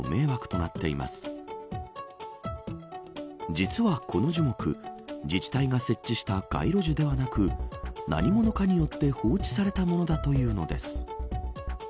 実は、この樹木自治体が設置した街路樹ではなく何者かによって放置されたものだというのです。